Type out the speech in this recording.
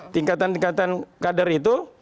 tingkatan tingkatan kader itu